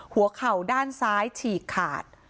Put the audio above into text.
หัวเข่าด้านซ้ายฉีกขาด